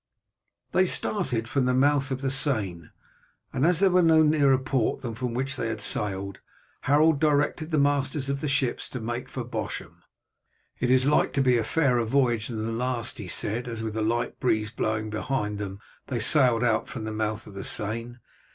They started from the mouth of the Seine, and as there was no nearer port than that from which they had sailed, Harold directed the masters of the ships to make for Bosham. "It is like to be a fairer voyage than the last," he said, as with a light breeze blowing behind them they sailed out from the mouth of the Seine.